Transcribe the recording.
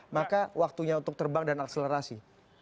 maka waktunya untuk terbang dan akselerasi